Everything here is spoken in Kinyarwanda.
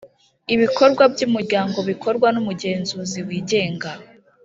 ibikorwa byUmuryango bikorwa n umugenzuzi wigenga